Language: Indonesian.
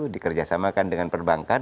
dikerjasamakan dengan perbankan